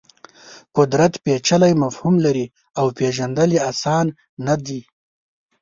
قدرت پېچلی مفهوم لري او پېژندل یې اسان نه دي.